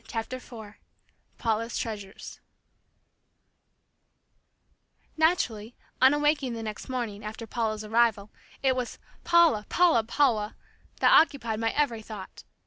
CHAPTER FOUR PAULA'S TREASURES Naturally, on awakening the next morning, after Paula's arrival, it was "Paula, Paula, Paula," that occupied my every thought.